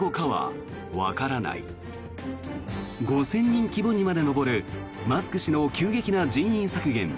５０００人規模にまで上るマスク氏の急激な人員削減。